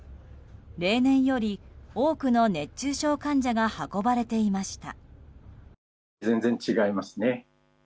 例年より多くの熱中症患者が運ばれていました。